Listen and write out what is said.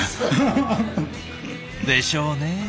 でしょうね。